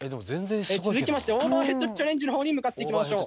続きましてオーバーヘッドチャレンジの方に向かっていきましょう。